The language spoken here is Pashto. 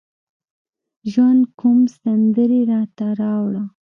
ژوند کوم سندرې راته راوړه